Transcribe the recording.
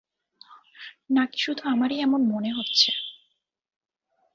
না-কি শুধু আমারই এমন মনে হচ্ছে?